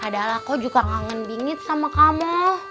padahal aku juga kangen bingit sama kamu